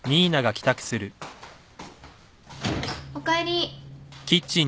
おかえり。